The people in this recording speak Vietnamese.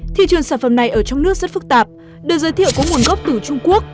thị trường sản phẩm này ở trong nước rất phức tạp được giới thiệu có nguồn gốc từ trung quốc